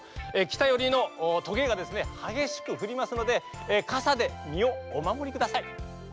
きたよりのとげがですねはげしくふりますのでかさでみをおまもりください。